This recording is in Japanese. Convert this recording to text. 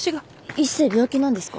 一星病気なんですか？